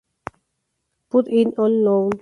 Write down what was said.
Put it on loud.